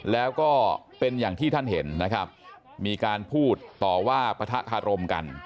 แล้วก็เป็นอย่างที่ท่านเห็นนะครับมีการพูดต่อว่าปะทะคารมกัน